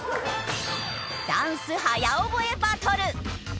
ダンス早覚えバトル。